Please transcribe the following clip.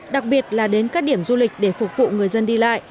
đặc biệt là đến các điểm du lịch để phục vụ người dân đi lại